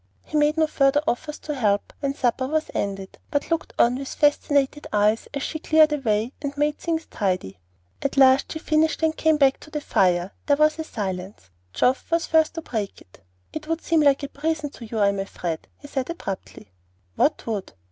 He made no further offers of help when supper was ended, but looked on with fascinated eyes as she cleared away and made things tidy. At last she finished and came back to the fire. There was a silence. Geoff was first to break it. "It would seem like a prison to you, I am afraid," he said abruptly. "What would?"